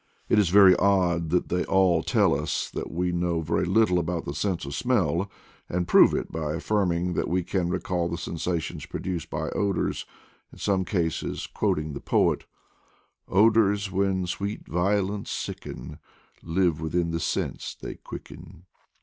It is very odd that they all tell us that we know very little about the sense of smell, and prove it by affirming that we can recall the sensations produced by odors, in some cases quoting the poet: Odors, when sweet violets sicken, Live within the sense they quicken.